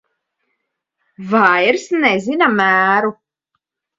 Vairs nezina mēru.